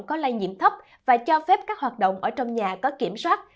có lây nhiễm thấp và cho phép các hoạt động ở trong nhà có kiểm soát